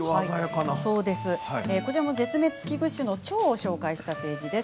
絶滅危惧種のチョウを紹介したページです。